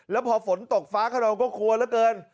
แล้วพอฝนตกฟ้าข้างนอกก็ควรแล้วเกิน